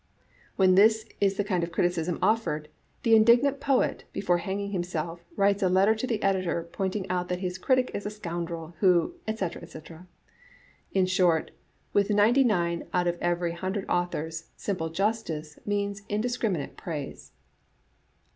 ' When this is the kind of criticism oflEered, the indignant poet, before hanging himself, writes a letter to the editor pointing out that his critic is a scoundrel, who, etc., etc. In short, with ninety nine out of every hun dred authors, 'simple justice' means * indiscriminate praise.